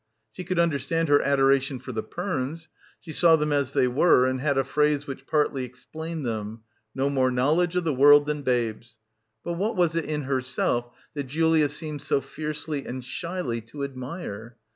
She could understand her adoration for the Pernes; she saw them as they were and had a phrase which partly ex plained them, "no more knowledge of the world than babes" — but what was it in herself that Julia seemed so fiercely and shyly to admire?